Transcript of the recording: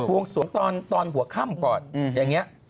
วงสวงเปิดตอนหัวข้ามก่อนอย่างเงี่ย